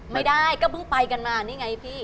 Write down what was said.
ไม่ได้ก็เพิ่งไปกันมานี่ไงพี่